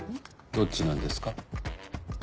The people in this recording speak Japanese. どっちなんですか？